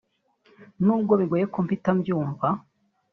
n’ubwo bigoye ko mpita mbyumva